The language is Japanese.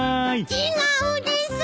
違うです！